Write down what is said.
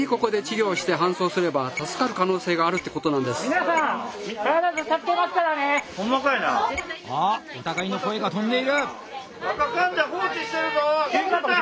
あっ疑いの声が飛んでいる！